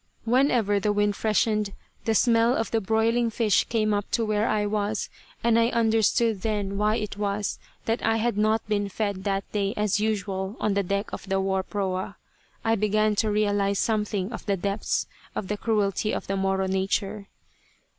Whenever the wind freshened, the smell of the broiling fish came up to where I was, and I understood then why it was that I had not been fed that day as usual on the deck of the war proa. I began to realise something of the depths of cruelty of the Moro nature.